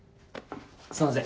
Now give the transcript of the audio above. すんません。